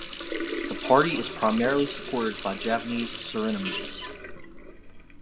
The party is primarily supported by Javanese Surinamese.